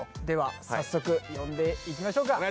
では早速呼んでいきましょうか。